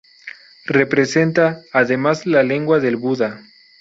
Representa, además, la lengua del Buda.